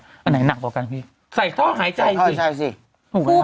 อันไหนหนักกว่ากันพี่ใส่ท่อหายใจจริง